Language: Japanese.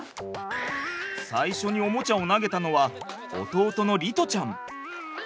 最初におもちゃを投げたのは弟の璃士ちゃん。